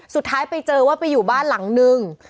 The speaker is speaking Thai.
สุดท้ายไปเจอว่าไปอยู่บ้านหลังนึง